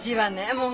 もう。